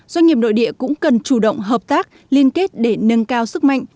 doanh nghiệp nội địa cũng cần chủ động hợp tác liên kết để nâng cao sức mạnh